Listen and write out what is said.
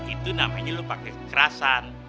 itu namanya lo pakai kekerasan